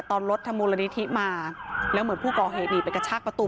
ตอนรถทางมูลนิธิมาแล้วเหมือนผู้ก่อเหตุหนีไปกระชากประตู